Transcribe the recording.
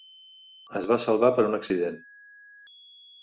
Es va salvar per un accident.